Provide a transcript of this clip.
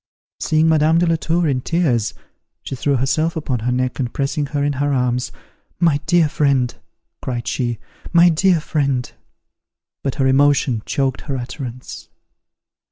Seeing Madame de la Tour in tears, she threw herself upon her neck, and pressing her in her arms, "My dear friend!" cried she, "my dear friend!" but her emotion choked her utterance.